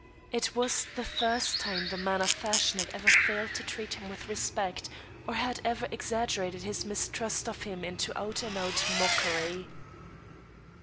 It was the first time the man of fashion had ever failed to treat him with respect, or had ever exaggerated his mistrust of him into out and out mockery.